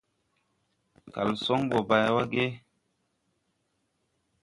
Kalsoŋ ɓɔ bay wa ge ?